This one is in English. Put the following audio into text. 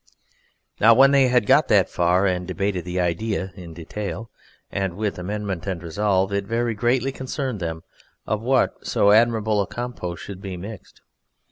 Now when they had got that far, and debated the Idea in detail, and with amendment and resolve, it very greatly concerned them of what so admirable a compost should be mixed.